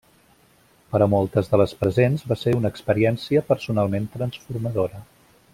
Per a moltes de les presents va ser una experiència personalment transformadora.